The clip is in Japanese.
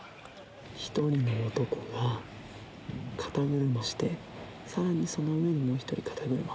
１人の男が肩車してさらにその上にもう１人肩車。